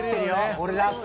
俺だって。